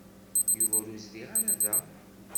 Yuba ur izdiɣ ara da.